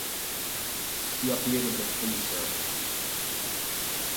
He appeared in the Please Sir!